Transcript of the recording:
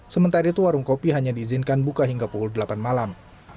sementara itu warung kopi hanya diizinkan buka hingga pukul delapan malam